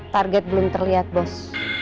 target belum terlihat bos